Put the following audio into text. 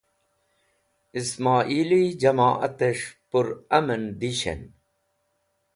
Ismoili Jamoat es̃h Pur Amn Dishan